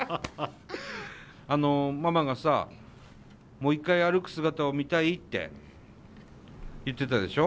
ママがさもう一回歩く姿を見たいって言ってたでしょ？